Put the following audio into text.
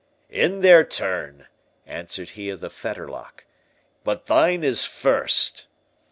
"In their turn," answered he of the Fetterlock, "but thine is first."